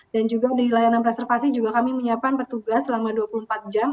dan juga di layanan preservasi kami menyiapkan petugas selama dua puluh empat jam